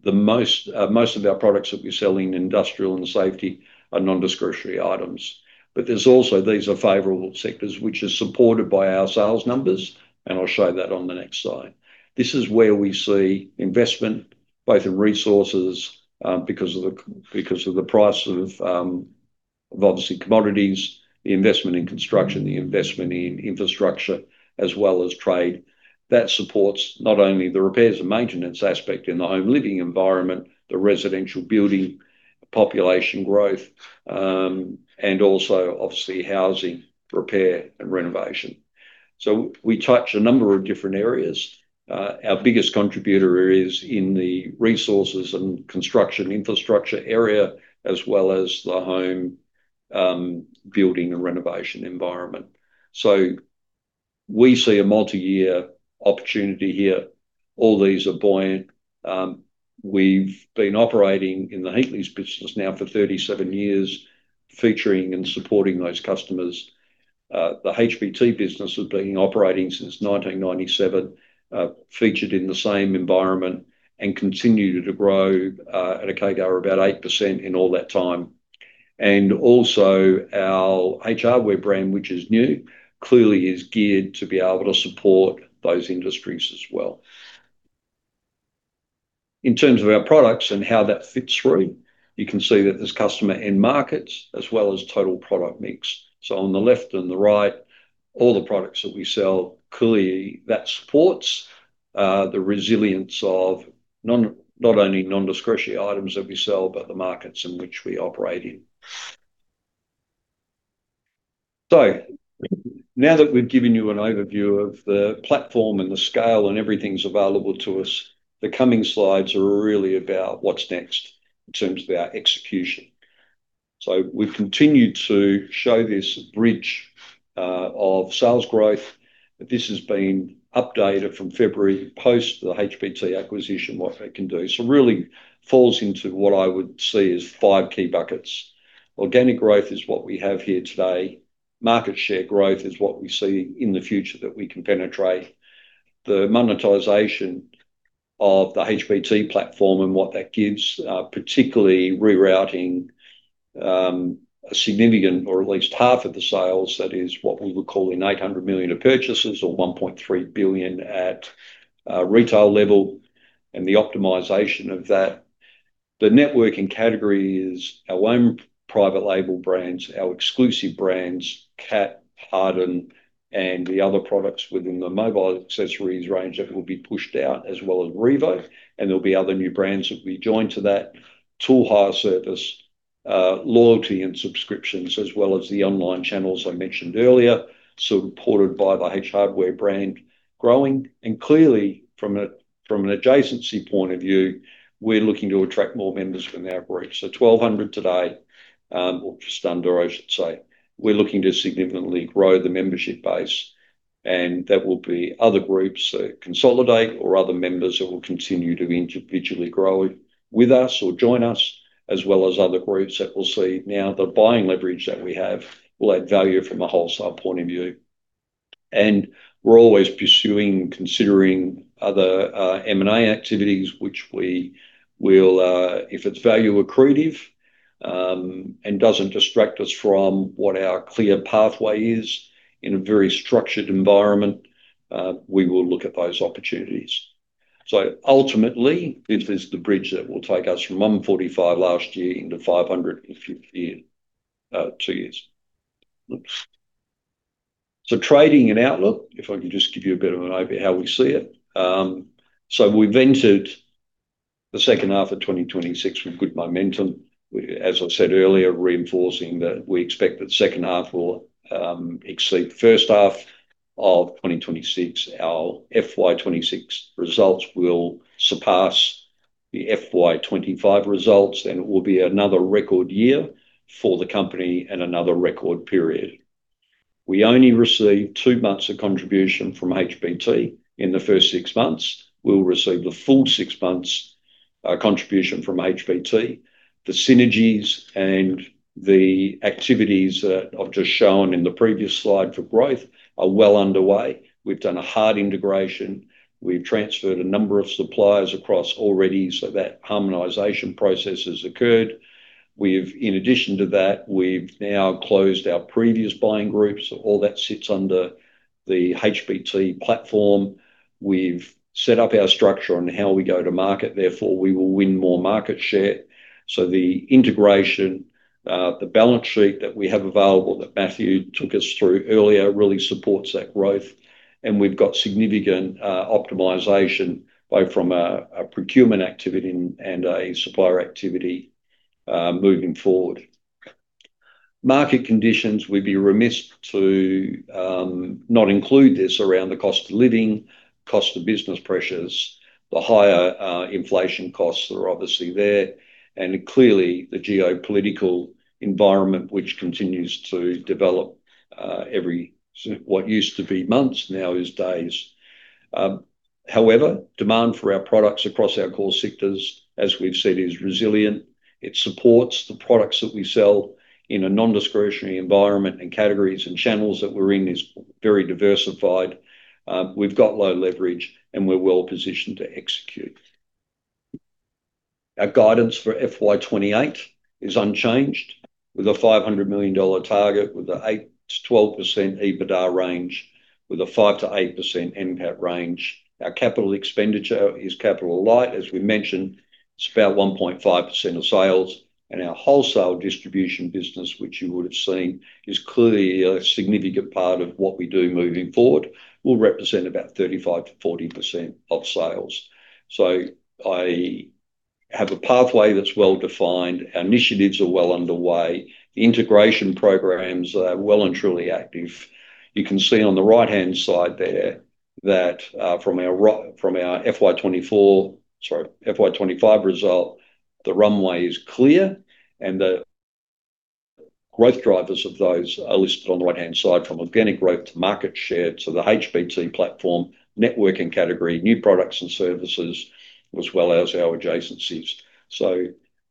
Most of our products that we sell in industrial and safety are non-discretionary items. There's also, these are favorable sectors, which are supported by our sales numbers. I'll show that on the next slide. This is where we see investment, both in resources, because of the price of obviously commodities, the investment in construction, the investment in infrastructure, as well as trade. That supports not only the repairs and maintenance aspect in the home living environment, the residential building, population growth, and also obviously, housing, repair, and renovation. We touch a number of different areas. Our biggest contributor is in the resources and construction infrastructure area, as well as the home, building and renovation environment. We see a multi-year opportunity here. All these are buoyant. We've been operating in the Heatleys business now for 37 years, featuring and supporting those customers. The HBT business has been operating since 1997, featured in the same environment, and continued to grow at a CAGR of about 8% in all that time. Also, our H Hardware brand, which is new, clearly is geared to be able to support those industries as well. In terms of our products and how that fits through, you can see that there's customer end markets, as well as total product mix. On the left and the right, all the products that we sell, clearly, that supports the resilience of not only non-discretionary items that we sell, but the markets in which we operate in. Now that we've given you an overview of the platform and the scale and everything that's available to us, the coming slides are really about what's next in terms of our execution. We've continued to show this bridge of sales growth, but this has been updated from February post the HBT acquisition, what they can do. Really falls into what I would see as five key buckets. Organic growth is what we have here today. Market share growth is what we see in the future that we can penetrate. The monetization of the HBT platform and what that gives, particularly rerouting a significant or at least half of the sales, that is what we would call an 800 million of purchases or 1.3 billion at retail level, and the optimization of that. The networking category is our own private label brands, our exclusive brands, CAT, Harden, and the other products within the mobile accessories range that will be pushed out, as well as RIVO, and there'll be other new brands that will be joined to that. Tool hire service, loyalty and subscriptions, as well as the online channels I mentioned earlier, supported by the H Hardware brand, growing. Clearly, from an adjacency point of view, we're looking to attract more members from our group. So 1,200 today, or just under, I should say. We're looking to significantly grow the membership base, and that will be other groups that consolidate or other members that will continue to individually grow with us or join us, as well as other groups that will see now the buying leverage that we have will add value from a wholesale point of view. We're always pursuing, considering other M&A activities, which we will, if it's value accretive, and doesn't distract us from what our clear pathway is in a very structured environment, we will look at those opportunities. Ultimately, this is the bridge that will take us from 145 last year into 500 two years. Oops. Trading and outlook, if I can just give you a bit of an overview how we see it. We've entered the second half of 2026 with good momentum. As I said earlier, reinforcing that we expect that second half will exceed the first half of 2026. Our FY 2026 results will surpass the FY 2025 results. It will be another record year for the company and another record period. We only received 2 months of contribution from HBT in the first 6 months. We'll receive the full 6 months, contribution from HBT. The synergies and the activities that I've just shown in the previous slide for growth are well underway. We've done a hard integration. We've transferred a number of suppliers across already. That harmonization process has occurred. In addition to that, we've now closed our previous buying groups. All that sits under the HBT platform. We've set up our structure on how we go to market, therefore, we will win more market share. The integration, the balance sheet that we have available, that Matthew took us through earlier, really supports that growth. We've got significant optimization, both from a procurement activity and a supplier activity, moving forward. Market conditions, we'd be remiss to not include this around the cost of living, cost of business pressures, the higher inflation costs are obviously there, and clearly, the geopolitical environment, which continues to develop every sort of what used to be months, now is days. However, demand for our products across our core sectors, as we've said, is resilient. It supports the products that we sell in a non-discretionary environment, and categories and channels that we're in is very diversified. We've got low leverage, and we're well positioned to execute. Our guidance for FY 2028 is unchanged, with an 500 million dollar target, with an 8%-12% EBITDA range, with a 5%-8% NPAT range. Our capital expenditure is capital light. As we mentioned, it's about 1.5% of sales, and our wholesale distribution business, which you would have seen, is clearly a significant part of what we do moving forward, will represent about 35%-40% of sales. I have a pathway that's well defined. Our initiatives are well underway. Integration programs are well and truly active. You can see on the right-hand side there that, from our FY 2024, sorry, FY 2025 result, the runway is clear. The growth drivers of those are listed on the right-hand side, from organic growth to market share, to the HBT platform, network and category, new products and services, as well as our adjacencies.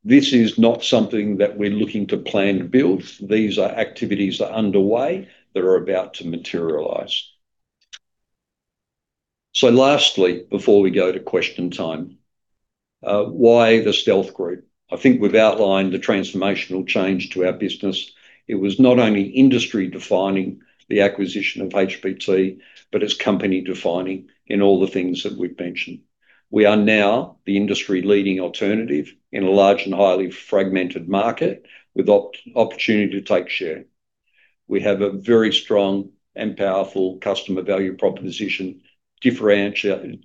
This is not something that we're looking to plan to build. These are activities that are underway, that are about to materialize. Lastly, before we go to question time, why the Stealth Global Holdings? I think we've outlined the transformational change to our business. It was not only industry-defining, the acquisition of HBT, but it's company-defining in all the things that we've mentioned. We are now the industry-leading alternative in a large and highly fragmented market, with opportunity to take share. We have a very strong and powerful customer value proposition, differentiated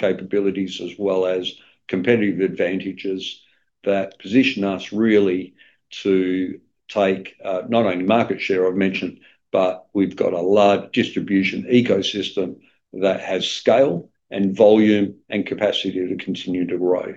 capabilities, as well as competitive advantages that position us really to take, not only market share, I've mentioned, but we've got a large distribution ecosystem that has scale and volume and capacity to continue to grow.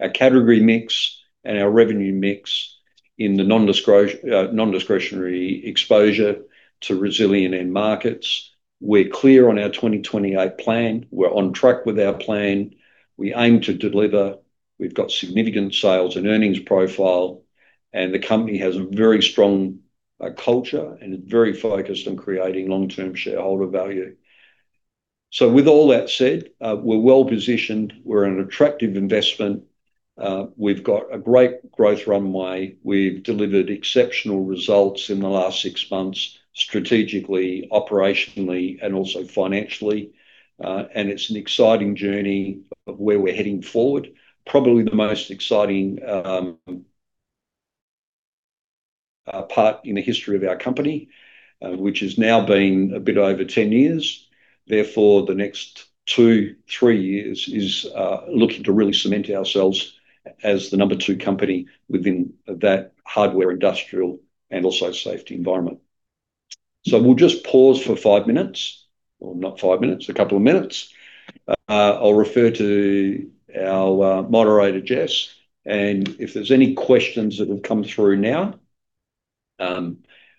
Our category mix and our revenue mix in the non-discretionary exposure to resilient end markets. We're clear on our 2028 plan. We're on track with our plan. We aim to deliver. We've got significant sales and earnings profile, and the company has a very strong culture, and it's very focused on creating long-term shareholder value. With all that said, we're well-positioned, we're an attractive investment, we've got a great growth runway. We've delivered exceptional results in the last six months, strategically, operationally, and also financially. It's an exciting journey of where we're heading forward. Probably the most exciting part in the history of our company, which has now been a bit over 10 years. Therefore, the next two, three years is looking to really cement ourselves as the number two company within that hardware, industrial, and also safety environment. We'll just pause for five minutes, or not five minutes, a couple of minutes. I'll refer to our moderator, Jess, and if there's any questions that have come through now,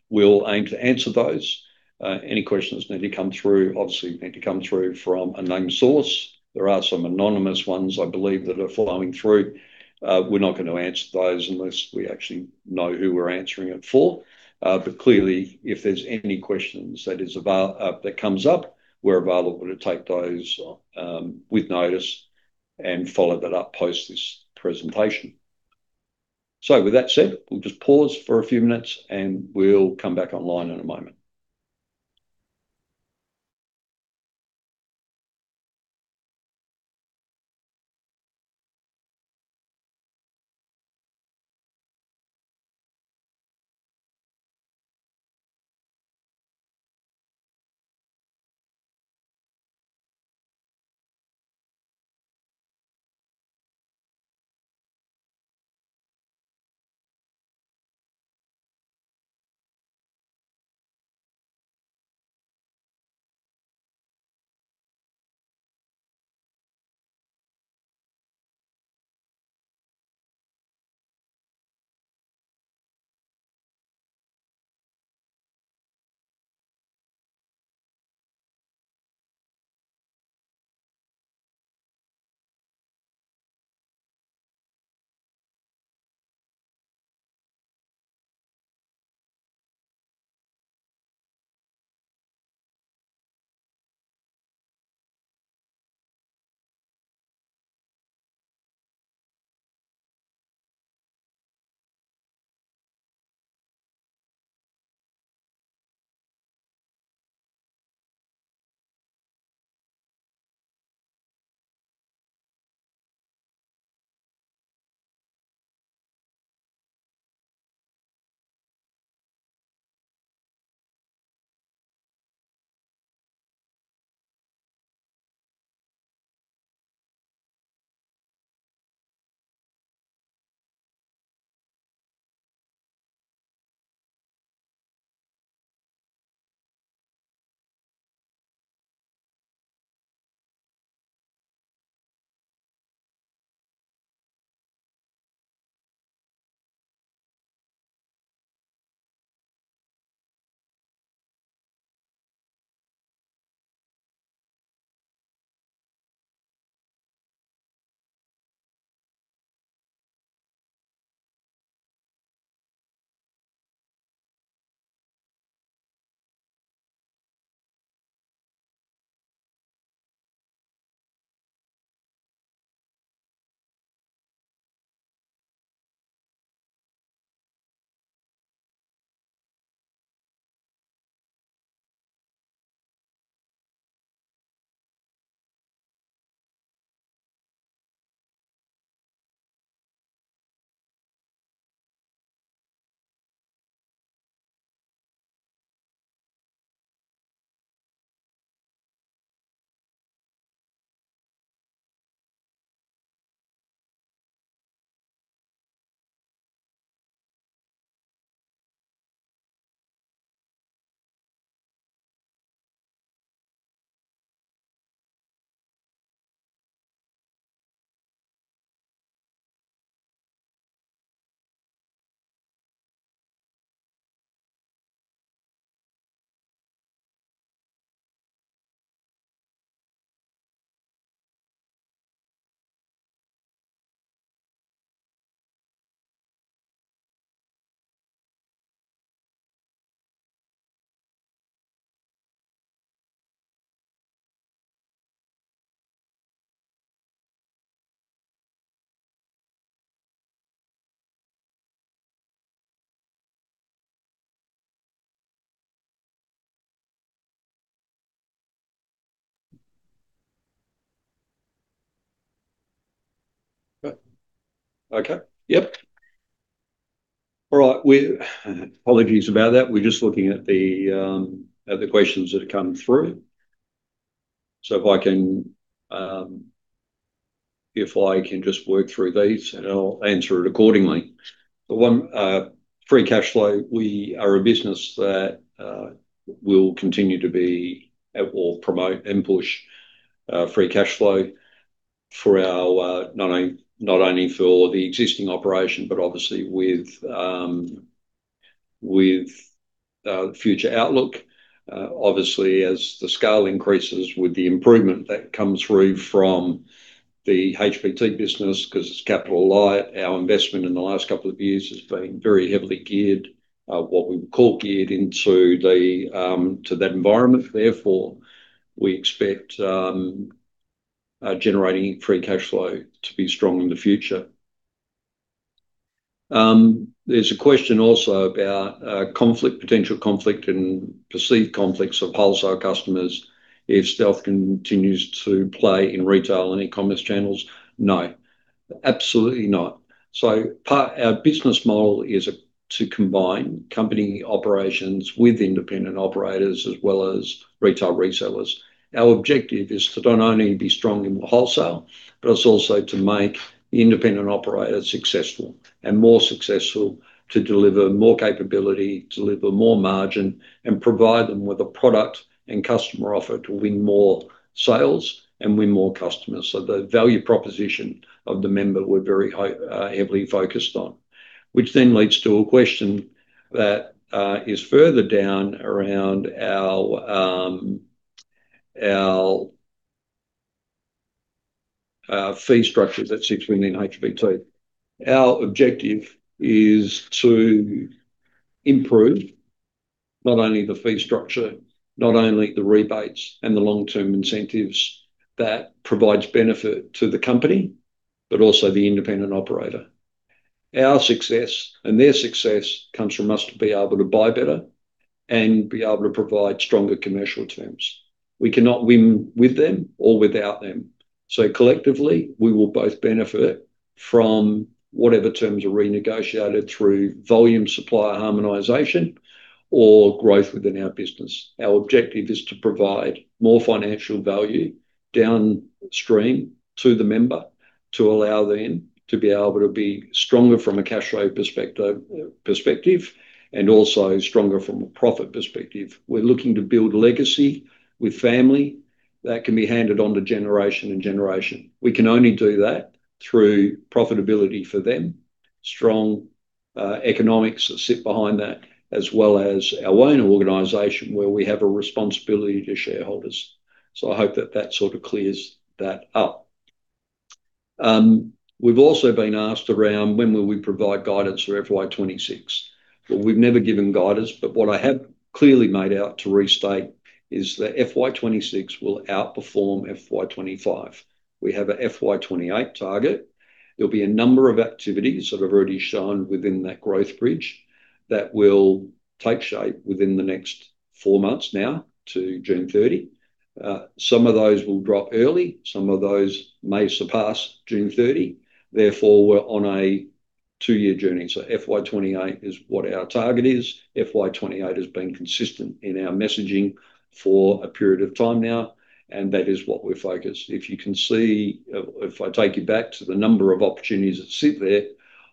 we'll aim to answer those. Any questions need to come through, obviously, need to come through from an unknown source. There are some anonymous ones, I believe, that are flowing through. We're not going to answer those unless we actually know who we're answering it for. But clearly, if there's any questions that comes up, we're available to take those with notice and follow that up post this presentation. With that said, we'll just pause for a few minutes, and we'll come back online in a moment. Okay. Yep. All right, we're, apologies about that. We're just looking at the questions that have come through. If I can just work through these, and I'll answer it accordingly. The one, free cash flow, we are a business that will continue to be, or promote and push, free cash flow for our, not only for the existing operation, but obviously with future outlook. Obviously, as the scale increases with the improvement that comes through from the HBT business, 'cause it's capital light, our investment in the last couple of years has been very heavily geared, what we call geared into the to that environment. Therefore, we expect generating free cash flow to be strong in the future. There's a question also about conflict, potential conflict and perceived conflicts of wholesale customers if Stealth continues to play in retail and e-commerce channels. No, absolutely not. Our business model is to combine company operations with independent operators as well as retail resellers. Our objective is to not only be strong in wholesale, but it's also to make the independent operators successful, and more successful to deliver more capability, deliver more margin, and provide them with a product and customer offer to win more sales and win more customers. The value proposition of the member, we're very high, heavily focused on. Which leads to a question that is further down around our fee structures at HBT. Our objective is to improve not only the fee structure, not only the rebates and the long-term incentives that provides benefit to the company, but also the independent operator. Our success and their success comes from us to be able to buy better and be able to provide stronger commercial terms. We cannot win with them or without them, collectively, we will both benefit from whatever terms are renegotiated through volume supplier harmonization or growth within our business. Our objective is to provide more financial value downstream to the member, to allow them to be able to be stronger from a cash flow perspective, and also stronger from a profit perspective. We're looking to build a legacy that can be handed on to generation and generation. We can only do that through profitability for them. Strong economics that sit behind that, as well as our own organization, where we have a responsibility to shareholders. I hope that that sort of clears that up. We've also been asked around when will we provide guidance for FY 2026. We've never given guidance, what I have clearly made out to restate is that FY 2026 will outperform FY 2025. We have a FY 2028 target. There'll be a number of activities that I've already shown within that growth bridge, that will take shape within the next 4 months, now to June 30. Some of those will drop early, some of those may surpass June 30, therefore, we're on a 2-year journey. FY 2028 is what our target is. FY 2028 has been consistent in our messaging for a period of time now, and that is what we're focused. If you can see, if I take you back to the number of opportunities that sit there,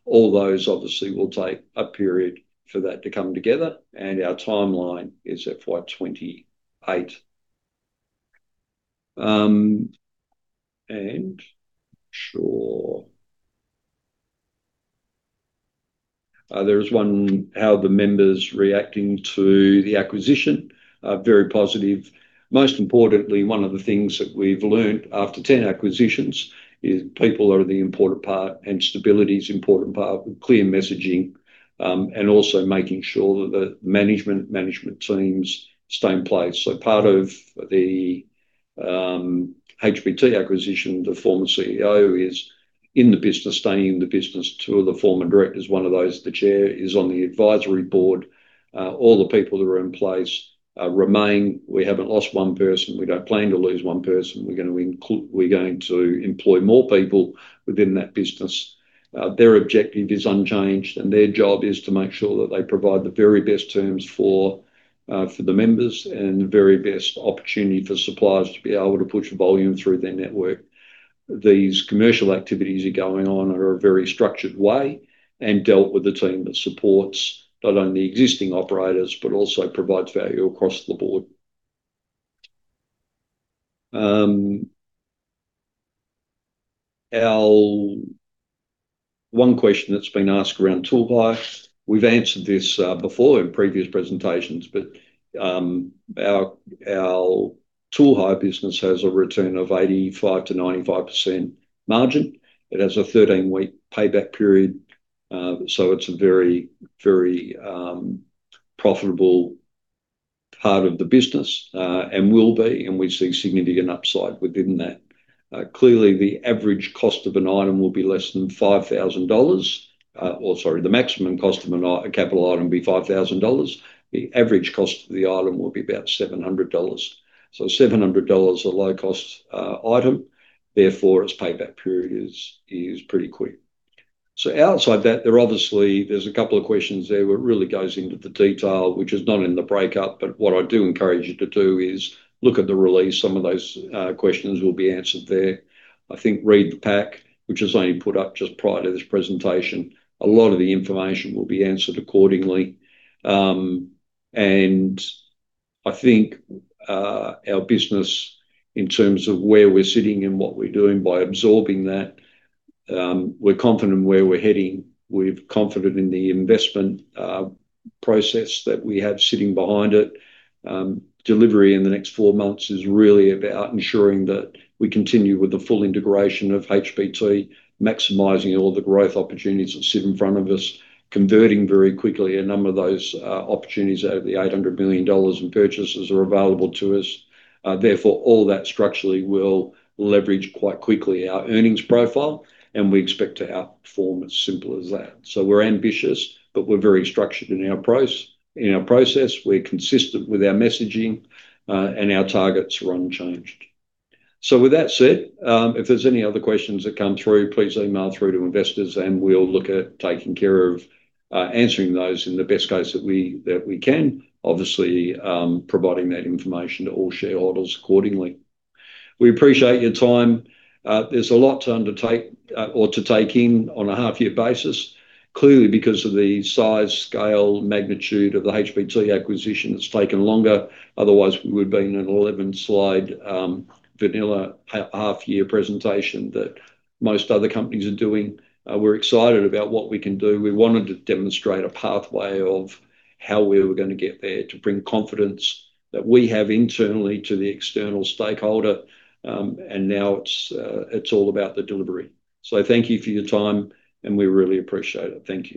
all those obviously will take a period for that to come together, and our timeline is FY 2028. Sure. There is one, how are the members reacting to the acquisition? Very positive. Most importantly, one of the things that we've learnt after 10 acquisitions is people are the important part and stability is an important part, clear messaging, and also making sure that the management teams stay in place. Part of the HBT acquisition, the former CEO, is in the business, staying in the business. Two of the former directors, one of those, the chair, is on the advisory board. All the people who are in place remain. We haven't lost one person. We don't plan to lose one person. We're going to employ more people within that business. Their objective is unchanged, and their job is to make sure that they provide the very best terms for the members, and the very best opportunity for suppliers to be able to push volume through their network. These commercial activities are going on in a very structured way and dealt with the team that supports not only existing operators, but also provides value across the board. One question that's been asked around tool hire. We've answered this before in previous presentations, but our tool hire business has a return of 85%-95% margin. It has a 13-week payback period, so it's a very, very profitable part of the business, and we see significant upside within that. Clearly, the average cost of an item will be less than 5,000 dollars. Or sorry, the maximum cost of a capital item will be 5,000 dollars. The average cost of the item will be about 700 dollars. 700 dollars, a low-cost item, therefore, its payback period is pretty quick. Outside that, there are obviously, there's a couple of questions there where it really goes into the detail, which is not in the breakup, but what I do encourage you to do is look at the release. Some of those questions will be answered there. I think read the pack, which was only put up just prior to this presentation. A lot of the information will be answered accordingly. I think our business, in terms of where we're sitting and what we're doing by absorbing that, we're confident in where we're heading. We're confident in the investment process that we have sitting behind it. Delivery in the next 4 months is really about ensuring that we continue with the full integration of HBT, maximizing all the growth opportunities that sit in front of us, converting very quickly a number of those opportunities. Out of the 800 million dollars in purchases are available to us. All that structurally will leverage quite quickly our earnings profile, and we expect to outperform as simple as that. We're ambitious, but we're very structured in our process. We're consistent with our messaging, and our targets are unchanged. With that said, if there's any other questions that come through, please email through to investors and we'll look at taking care of answering those in the best case that we can, obviously, providing that information to all shareholders accordingly. We appreciate your time. There's a lot to undertake or to take in on a half-year basis. Clearly, because of the size, scale, magnitude of the HBT acquisition, it's taken longer. Otherwise, we would have been an 11-slide vanilla half-year presentation that most other companies are doing. We're excited about what we can do. We wanted to demonstrate a pathway of how we were gonna get there, to bring confidence that we have internally to the external stakeholder. Now it's all about the delivery. Thank you for your time, and we really appreciate it. Thank you.